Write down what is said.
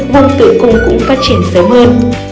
vùng tự cung cũng phát triển sớm hơn